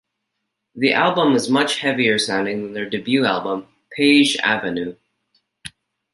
The album is much heavier sounding than their debut album "Page Avenue".